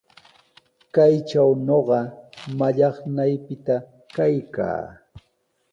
Kaytraw ñuqa mallaqnaypita kaykaa.